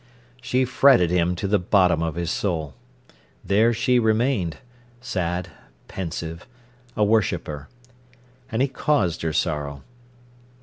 She fretted him to the bottom of his soul. There she remained—sad, pensive, a worshipper. And he caused her sorrow.